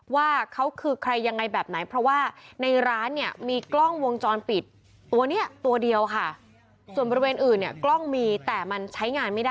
ว่าเขาคือใครยังไงแบบไหน